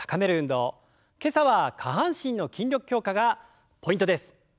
今朝は下半身の筋力強化がポイントです。